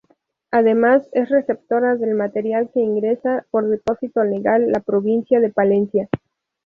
Además, es receptora del material que ingresa por Depósito Legal la provincia de Palencia.